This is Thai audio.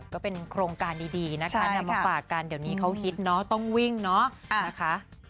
ก็เป็นโครงการดีนะคะนำมาฝากกันเดี๋ยวนี้เขาฮิตเนาะต้องวิ่งเนาะนะคะ